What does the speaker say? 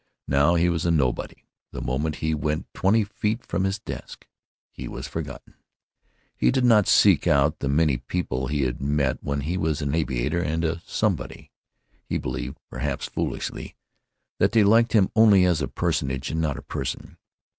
Now he was a nobody the moment he went twenty feet from his desk. He was forgotten. He did not seek out the many people he had met when he was an aviator and a somebody. He believed, perhaps foolishly, that they liked him only as a personage, not as a person.